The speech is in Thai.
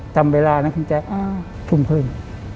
จำเวลานะคุณแจ๊คทุ่มครึ่ง